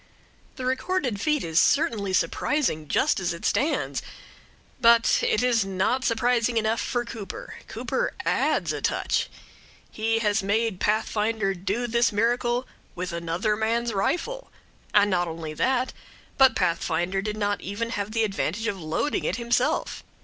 The recorded feat is certainly surprising just as it stands; but it is not surprising enough for Cooper. Cooper adds a touch. He has made Pathfinder do this miracle with another man's rifle; and not only that, but Pathfinder did not have even the advantage of loading it himself.